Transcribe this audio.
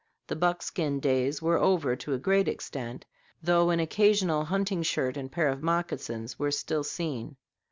The buckskin days were over to a great extent, though an occasional hunting shirt and pair of moccasins were still seen.